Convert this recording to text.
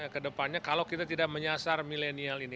kedepannya kalau kita tidak menyasar milenial ini